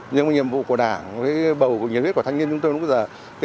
những nhiệm vụ của đảng những nhiệm vụ của thanh niên chúng tôi lúc bây giờ